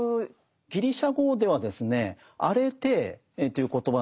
ギリシャ語ではですね「アレテー」という言葉なんです。